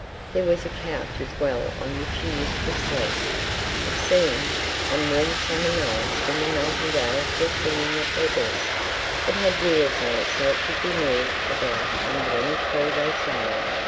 There was a couch as well on which he used to sleep, it seems, on warm summer nights when the nightingales were singing at their best; it had wheels on it so it could be moved about under any tree they sang in.